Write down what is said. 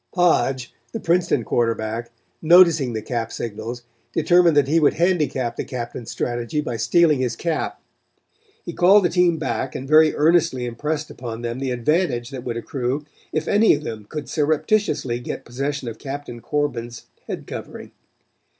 Hodge, the Princeton quarterback, noticing the cap signals, determined that he would handicap the captain's strategy by stealing his cap. He called the team back and very earnestly impressed upon them the advantage that would accrue if any of them could surreptitiously get possession of Captain Corbin's head covering.